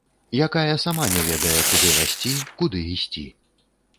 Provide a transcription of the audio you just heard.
Якая сама не ведае, куды расці, куды ісці.